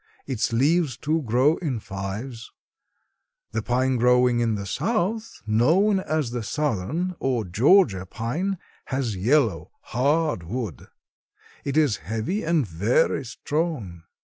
Its leaves, too, grow in fives. "The pine growing in the South, known as the Southern or Georgia pine, has yellow, hard wood. It is heavy and very strong.